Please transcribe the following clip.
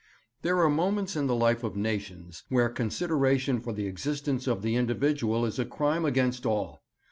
'There are moments in the life of nations where consideration for the existence of the individual is a crime against all.